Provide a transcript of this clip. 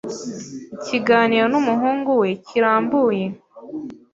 Ikiganiro n’umuhungu we kirambuye